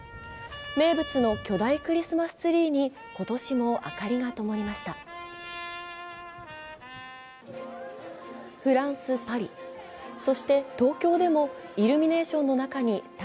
名物の巨大クリスマスツリーに今年も明かりが灯りました。